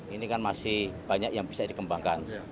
ini kan masih banyak yang bisa dikembangkan